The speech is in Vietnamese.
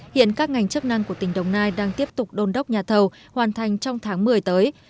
hiện các ngành chức năng của tỉnh đồng nai đang tiếp tục đôn đốc nhà thầu hoàn thành trong tháng một mươi tới